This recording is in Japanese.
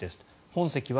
本籍は？